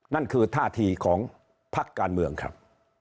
นั่นคือท่าทีของพักการเมืองครับ